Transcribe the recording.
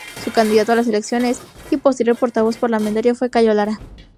Su candidato en las elecciones y posterior portavoz parlamentario fue Cayo Lara.